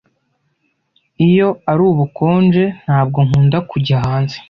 Iyo ari ubukonje, ntabwo nkunda kujya hanze.